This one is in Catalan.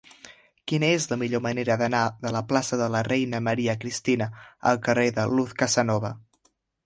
Quina és la millor manera d'anar de la plaça de la Reina Maria Cristina al carrer de Luz Casanova?